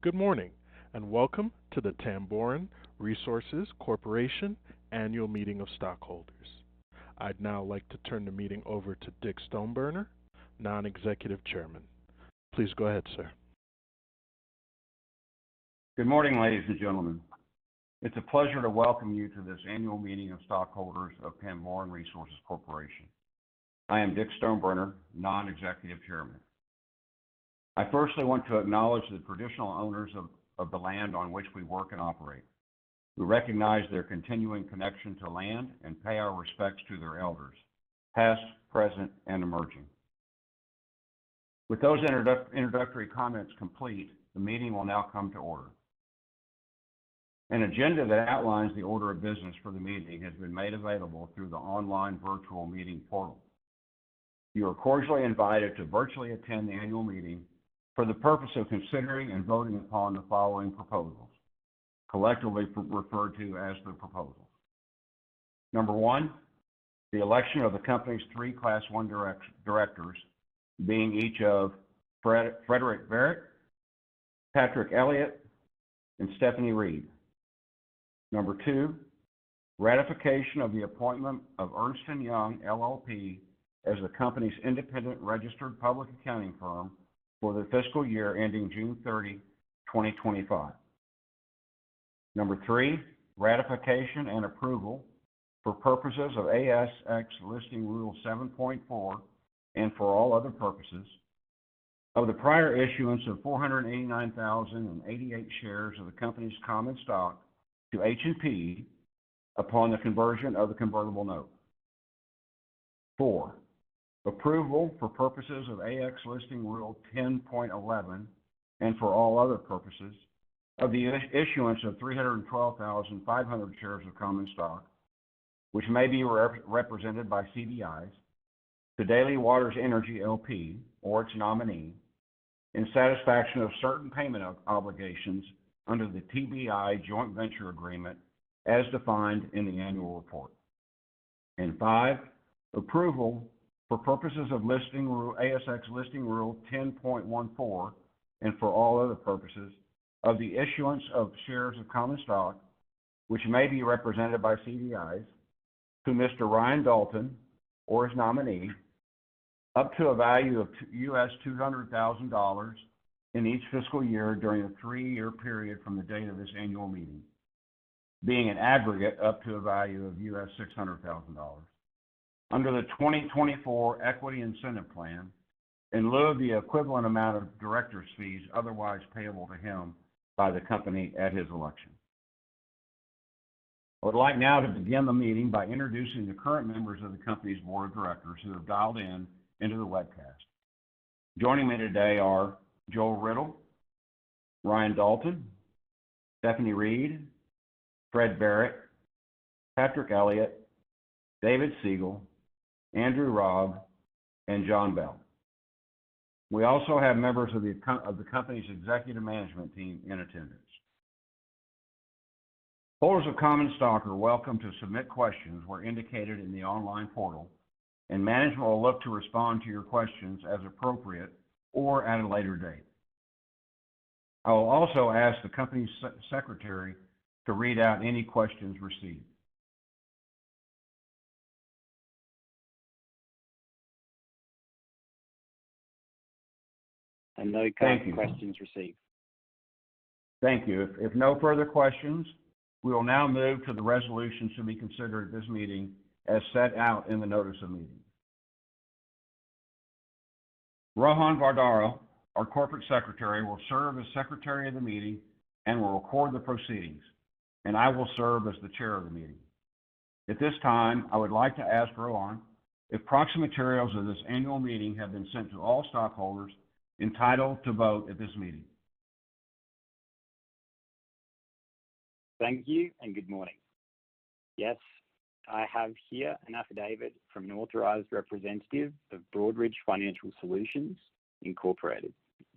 Good morning, and welcome to the Tamboran Resources Corporation annual meeting of stockholders. I'd now like to turn the meeting over to Dick Stoneburner, Non-Executive Chairman. Please go ahead, sir. Good morning, ladies and gentlemen. It's a pleasure to welcome you to this annual meeting of Stockholders of Tamboran Resources Corporation. I am Dick Stoneburner, Non-Executive Chairman. I firstly want to acknowledge the traditional owners of the land on which we work and operate. We recognize their continuing connection to land and pay our respects to their elders, past, present, and emerging. With those introductory comments complete, the meeting will now come to order. An agenda that outlines the order of business for the meeting has been made available through the online virtual meeting portal. You are cordially invited to virtually attend the Annual Meeting for the purpose of considering and voting upon the following proposals, collectively referred to as the proposals. Number one, the election of the company's three Class I directors, being each of Frederick Barrett, Patrick Elliott, and Stephanie Reed. Number two, ratification of the appointment of Ernst & Young, LLP, as the company's independent registered public accounting firm for the fiscal year ending June 30, 2025. Number three, ratification and approval for purposes of ASX Listing Rule 7.4 and for all other purposes of the prior issuance of 489,088 shares of the company's common stock to H&P upon the conversion of the convertible note. Four, approval for purposes of ASX Listing Rule 10.11 and for all other purposes of the issuance of 312,500 shares of common stock, which may be represented by CDIs, to Daly Waters Energy, LP, or its nominee, in satisfaction of certain payment obligations under the TB1 joint venture agreement as defined in the annual report. And five, approval for purposes of ASX Listing Rule 10.14 and for all other purposes of the issuance of shares of common stock, which may be represented by CDIs, to Mr. Ryan Dalton or his nominee, up to a value of $200,000 in each fiscal year during a three-year period from the date of this annual meeting, being an aggregate up to a value of $600,000 under the 2024 Equity Incentive Plan, in lieu of the equivalent amount of director's fees otherwise payable to him by the company at his election. I would like now to begin the meeting by introducing the current members of the company's board of directors who have dialed into the webcast. Joining me today are Joel Riddle, Ryan Dalton, Stephanie Reed, Fred Barrett, Patrick Elliott, David Siegel, Andrew Robb, and John Bell. We also have members of the company's executive management team in attendance. Holders of common stock are welcome to submit questions where indicated in the online portal, and management will look to respond to your questions as appropriate or at a later date. I will also ask the company's secretary to read out any questions received. I have no questions received. Thank you. If no further questions, we will now move to the resolutions to be considered at this meeting as set out in the notice of meeting. Rohan Vidwans, our Corporate Secretary, will serve as secretary of the meeting and will record the proceedings, and I will serve as the chair of the meeting. At this time, I would like to ask Rohan if proxy materials of this annual meeting have been sent to all stockholders entitled to vote at this meeting. Thank you and good morning. Yes, I have here an affidavit from an authorized representative of Broadridge Financial Solutions, Inc,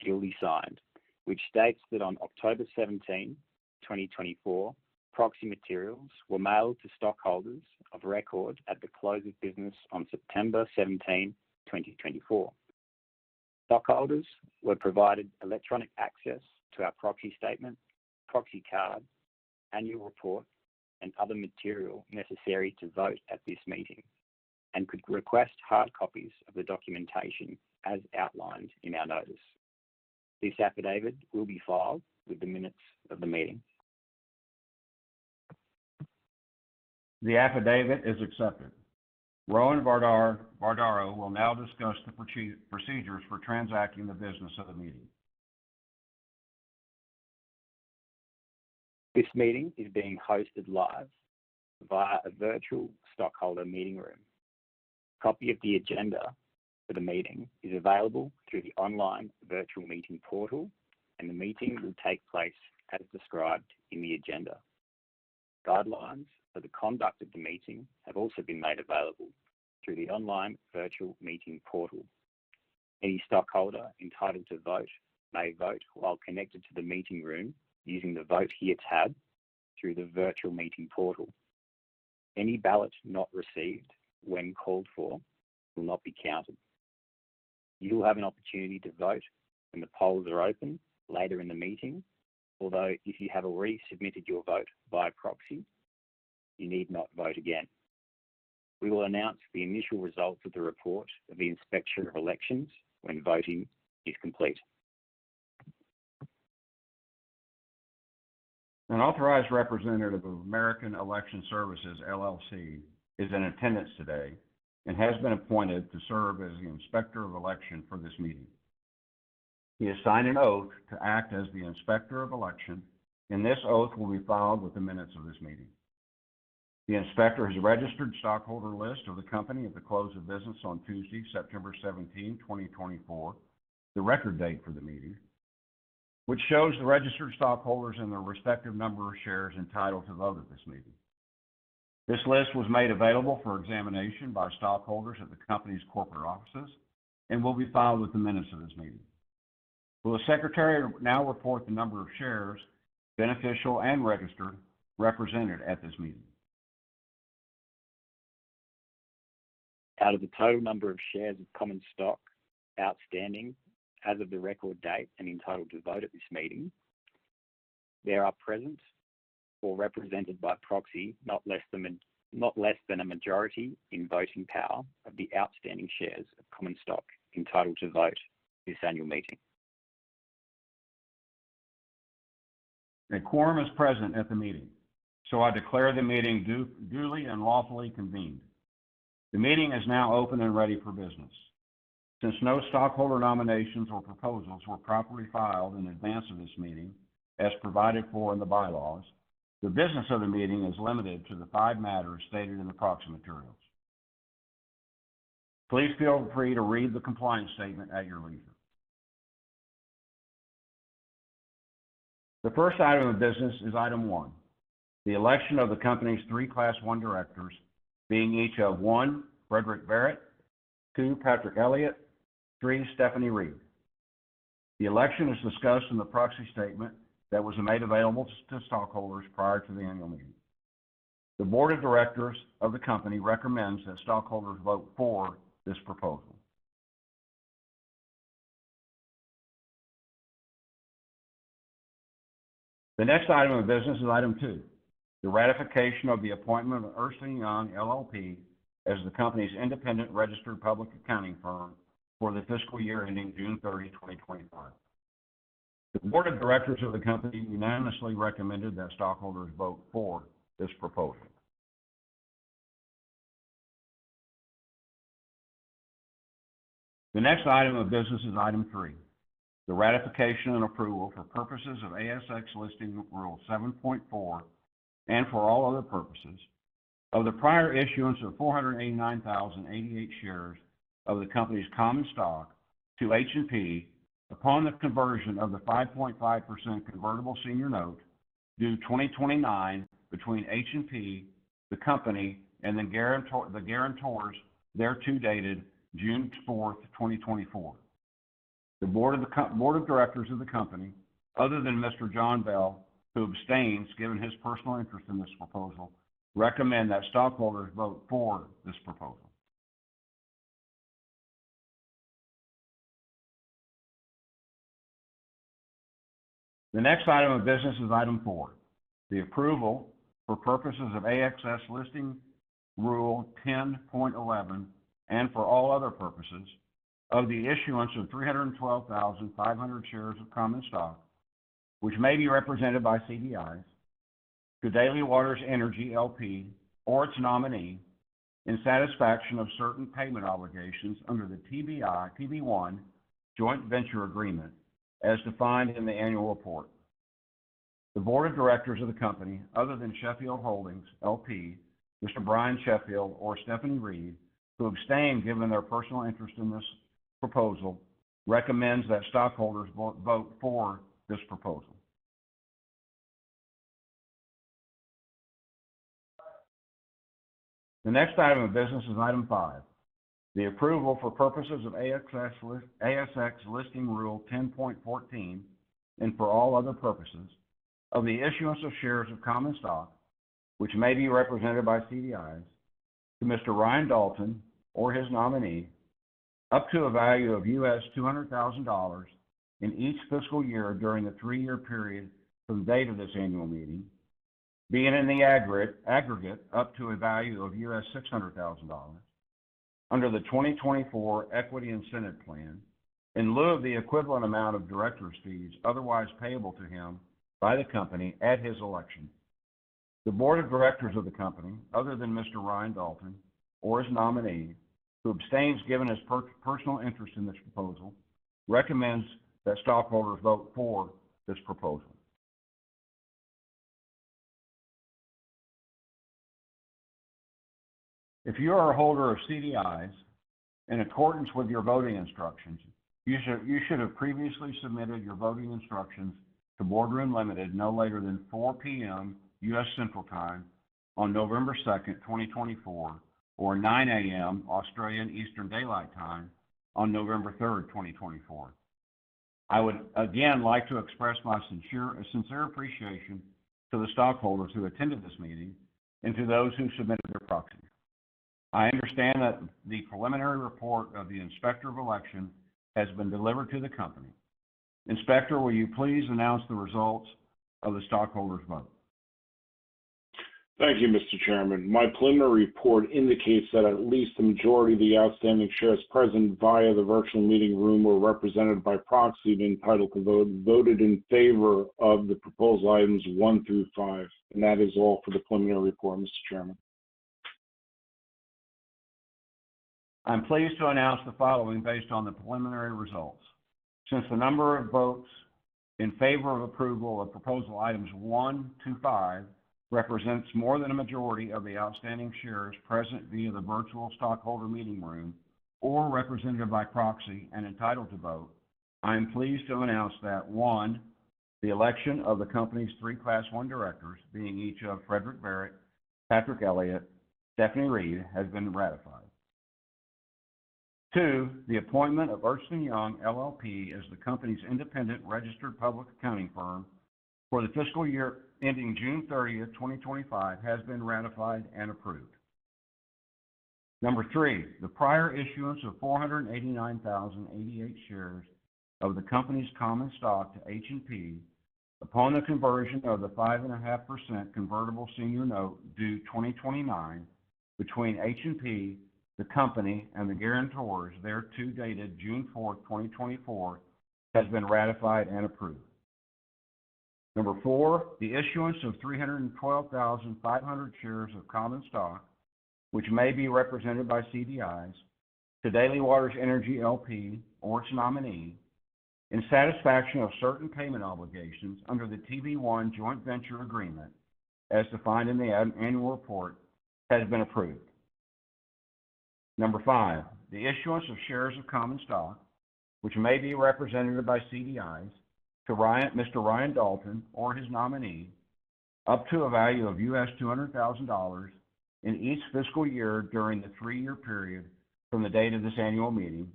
duly signed, which states that on October 17th, 2024, proxy materials were mailed to stockholders of record at the close of business on September 17th, 2024. Stockholders were provided electronic access to our proxy statement, proxy card, annual report, and other material necessary to vote at this meeting, and could request hard copies of the documentation as outlined in our notice. This affidavit will be filed with the minutes of the meeting. The affidavit is accepted. Rohan Vidwans will now discuss the procedures for transacting the business of the meeting. This meeting is being hosted live via a virtual stockholder meeting room. A copy of the agenda for the meeting is available through the online virtual meeting portal, and the meeting will take place as described in the agenda. Guidelines for the conduct of the meeting have also been made available through the online virtual meeting portal. Any stockholder entitled to vote may vote while connected to the meeting room using the Vote Here tab through the virtual meeting portal. Any ballot not received when called for will not be counted. You will have an opportunity to vote when the polls are open later in the meeting, although if you have already submitted your vote by proxy, you need not vote again. We will announce the initial results of the report of the inspectors of election when voting is complete. An authorized representative of American Election Services, LLC, is in attendance today and has been appointed to serve as the inspector of election for this meeting. He has signed an oath to act as the inspector of election, and this oath will be filed with the minutes of this meeting. The inspector has the registered stockholder list of the company at the close of business on Tuesday, September 17th, 2024, the record date for the meeting, which shows the registered stockholders and their respective number of shares entitled to vote at this meeting. This list was made available for examination by stockholders at the company's corporate offices and will be filed with the minutes of this meeting. Will the secretary now report the number of shares beneficial and registered represented at this meeting? Out of the total number of shares of common stock outstanding as of the record date and entitled to vote at this meeting, there are present or represented by proxy not less than a majority in voting power of the outstanding shares of common stock entitled to vote this annual meeting. A quorum is present at the meeting, so I declare the meeting duly and lawfully convened. The meeting is now open and ready for business. Since no stockholder nominations or proposals were properly filed in advance of this meeting, as provided for in the bylaws, the business of the meeting is limited to the five matters stated in the proxy materials. Please feel free to read the compliance statement at your leisure. The first item of business is item one, the election of the company's three Class I Directors, being each of one, Frederick Barrett, two, Patrick Elliott, three, Stephanie Reed. The election is discussed in the proxy statement that was made available to stockholders prior to the annual meeting. The Board of Directors of the company recommends that stockholders vote for this proposal. The next item of business is item two, the ratification of the appointment of Ernst & Young, LLP, as the company's independent registered public accounting firm for the fiscal year ending June 30, 2025. The board of directors of the company unanimously recommended that stockholders vote for this proposal. The next item of business is item three, the ratification and approval for purposes of ASX Listing Rule 7.4 and for all other purposes of the prior issuance of 489,088 shares of the company's common stock to H&P upon the conversion of the 5.5% convertible senior note due 2029 between H&P, the company, and the guarantors thereto dated June 4th, 2024. The board of directors of the company, other than Mr. John Bell, who abstains given his personal interest in this proposal, recommend that stockholders vote for this proposal. The next item of business is item four, the approval for purposes of ASX Listing Rule 10.11 and for all other purposes of the issuance of 312,500 shares of common stock, which may be represented by CDIs, to Daly Waters Energy, LP, or its nominee, in satisfaction of certain payment obligations under the TBI, TB1, joint venture agreement as defined in the Annual Report. The board of directors of the company, other than Sheffield Holdings, LP, Mr. Brian Sheffield or Stephanie Reed, who abstain given their personal interest in this proposal, recommends that stockholders vote for this proposal. The next item of business is item five, the approval for purposes of ASX Listing Rule 10.14 and for all other purposes of the issuance of shares of common stock, which may be represented by CDIs, to Mr. Ryan Dalton or his nominee, up to a value of $200,000 in each fiscal year during the three-year period from the date of this annual meeting, being an aggregate up to a value of $600,000 under the 2024 Equity Incentive Plan, in lieu of the equivalent amount of director's fees otherwise payable to him by the company at his election. The Board of Directors of the company, other than Mr. Ryan Dalton or his nominee, who abstains given his personal interest in this proposal, recommends that stockholders vote for this proposal. If you are a holder of CDIs, in accordance with your voting instructions, you should have previously submitted your voting instructions to Boardroom Limited no later than 4:00 P.M. U.S. Central Time on November 2nd, 2024, or 9:00 A.M. Australian Eastern Daylight Time on November 3rd, 2024. I would again like to express my sincere appreciation to the stockholders who attended this meeting and to those who submitted their proxy. I understand that the preliminary report of the inspector of election has been delivered to the company. Inspector, will you please announce the results of the stockholders' vote? Thank you, Mr. Chairman. My preliminary report indicates that at least the majority of the outstanding shares present via the virtual meeting room were represented by proxy and entitled to vote, voted in favor of the proposed items one through five, and that is all for the preliminary report, Mr. Chairman. I'm pleased to announce the following based on the preliminary results. Since the number of votes in favor of approval of proposal items one through five represents more than a majority of the outstanding shares present via the virtual stockholder meeting room or represented by proxy and entitled to vote, I am pleased to announce that, one, the election of the company's three Class I Directors, being each of Frederick Barrett, Patrick Elliott, Stephanie Reed, has been ratified. Two, the appointment of Ernst & Young, LLP, as the company's independent registered public accounting firm for the fiscal year ending June 30th, 2025, has been ratified and approved. Number three, the prior issuance of 489,088 shares of the company's common stock to H&P upon the conversion of the 5.5% convertible senior note due 2029 between H&P, the company, and the guarantors thereto dated June 4th, 2024, has been ratified and approved. Number four, the issuance of 312,500 shares of common stock, which may be represented by CDIs, to Daly Waters Energy, LP, or its nominee, in satisfaction of certain payment obligations under the TB1 Joint Venture Agreement as defined in the Annual Report, has been approved. Number five, the issuance of shares of common stock, which may be represented by CDIs, to Mr. Ryan Dalton or his nominee, up to a value of $200,000 in each fiscal year during the three-year period from the date of this annual meeting,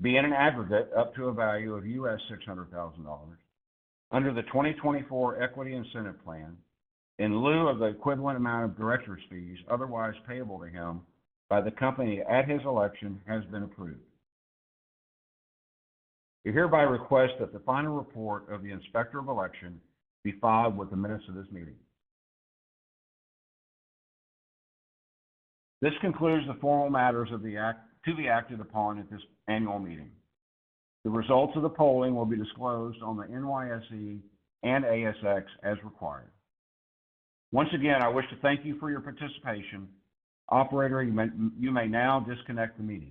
being an aggregate up to a value of $600,000 under the 2024 Equity Incentive Plan, in lieu of the equivalent amount of director's fees otherwise payable to him by the company at his election, has been approved. I hereby request that the final report of the inspector of election be filed with the minutes of this meeting. This concludes the formal matters to be acted upon at this annual meeting. The results of the polling will be disclosed on the NYSE and ASX as required. Once again, I wish to thank you for your participation. Operator, you may now disconnect the meeting.